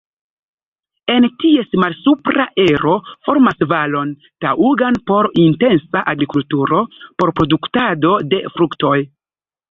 En ties malsupra ero formas valon taŭgan por intensa agrikulturo por produktado de fruktoj.